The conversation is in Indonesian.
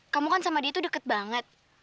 kamu kan sama dia tuh deket banget